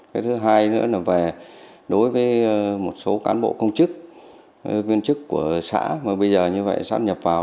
cái thứ hai nữa là về đối với một số cán bộ công chức viên chức của xã mà bây giờ như vậy sắp nhập vào